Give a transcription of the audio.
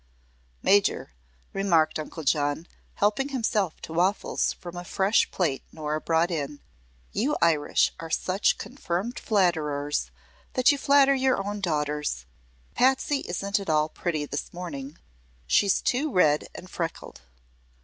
"Major," remarked Uncle John, helping himself to waffles from a fresh plate Nora brought in, "you Irish are such confirmed flatterers that you flatter your own daughters. Patsy isn't at all pretty this morning. She's too red and freckled."